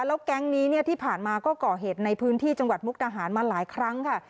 แล้วแก๊งนี้ที่ผ่านมาก็ก่อเหตุในพื้นที่จังหวัดมุกดาหารมาหลายครั้งค่ะ